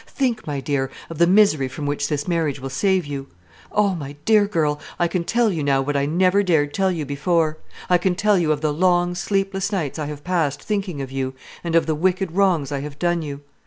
Think, my dear, of the misery from which this marriage will save you. Oh, my dear girl, I can tell you now what I never dared tell you before; I can tell you of the long, sleepless nights I have passed thinking of you, and of the wicked wrongs I have done you.